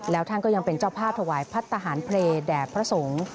แล้วท่านก็ยังเป็นเจ้าภาพถวายพัฒนาหารเพลย์แด่พระสงฆ์